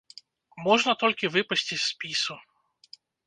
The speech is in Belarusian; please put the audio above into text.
Можна толькі выпасці з спісу.